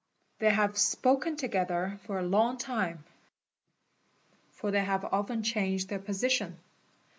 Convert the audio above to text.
They have spoken togethe for a long time, for they have often changed their position.